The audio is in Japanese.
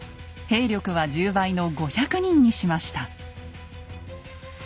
兵力は１０倍の５００人にしました。